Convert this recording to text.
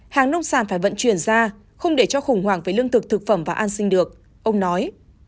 hàng nông sản phải vận chuyển ra không để cho khủng hoảng về lương thực thực phẩm và an sinh được ông nói